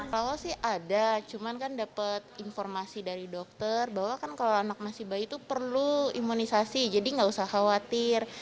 awal sih ada cuman kan dapat informasi dari dokter bahwa kan kalau anak masih bayi itu perlu imunisasi jadi nggak usah khawatir